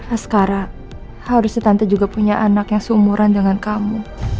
askara harusnya tante juga punya anak yang seumuran dengan kamu